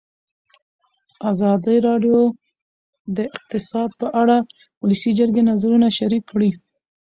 ازادي راډیو د اقتصاد په اړه د ولسي جرګې نظرونه شریک کړي.